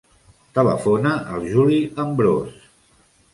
Telefona al Juli Ambros.